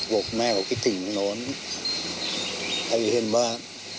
บอกว่าแม่เขาคิดถึงน้องน้องให้เขาเห็นว่า